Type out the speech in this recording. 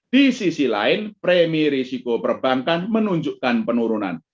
di sisi lain premi risiko perbankan menunjukkan penurunan